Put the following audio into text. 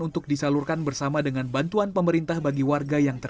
untuk disalurkan bersama dengan bantuan pemerintah bagi warga yang terkenal